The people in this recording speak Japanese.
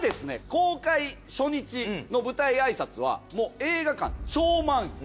公開初日の舞台挨拶はもう映画館超満員。